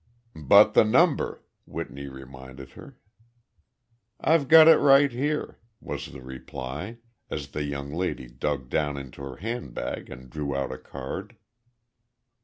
"But the number," Whitney reminded her. "I've got it right here," was the reply, as the young lady dug down into her handbag and drew out a card.